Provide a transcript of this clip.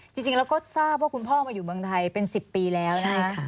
จริงแล้วก็ทราบว่าคุณพ่อมาอยู่เมืองไทยเป็น๑๐ปีแล้วนะคะ